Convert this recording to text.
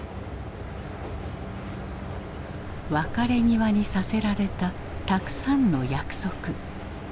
別れ際にさせられたたくさんの約束。